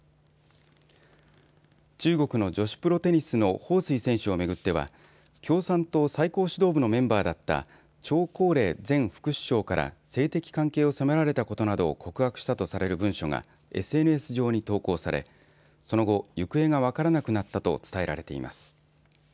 中国の女子プロテニスの彭帥選手を巡っては共産党最高指導部のメンバーだった張高麗前副首相から性的関係を迫られたことなどを告白したとされる文書がＳＮＳ上に投稿されその後、行方が分からなくなったと伝えられています。